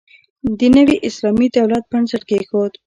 د نوي اسلامي دولت بنسټ کېښود.